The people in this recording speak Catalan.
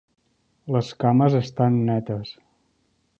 Les cames estan netes.